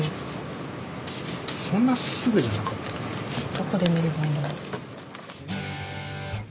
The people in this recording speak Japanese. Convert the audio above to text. どこで見ればいいんだろう？